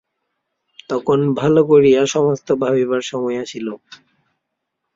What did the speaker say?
তখন ভালো করিয়া সমস্ত ভাবিবার সময় আসিল।